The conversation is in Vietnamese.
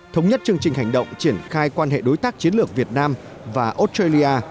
thống nhất chương trình hành động triển khai quan hệ đối tác chiến lược việt nam và australia